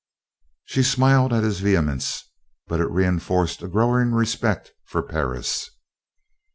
She smiled at this vehemence, but it reinforced a growing respect for Perris.